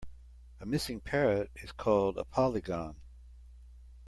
A missing parrot is called a polygon.